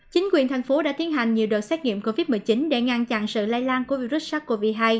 chính quyền thành phố đã tiến hành nhiều đợt xét nghiệm covid một mươi chín để ngăn chặn sự lây lan của virus sars cov hai